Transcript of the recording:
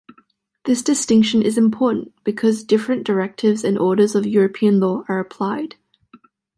This distinction is important, because different directives and orders of European law are applied.